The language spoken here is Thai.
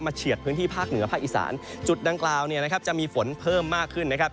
เฉียดพื้นที่ภาคเหนือภาคอีสานจุดดังกล่าวเนี่ยนะครับจะมีฝนเพิ่มมากขึ้นนะครับ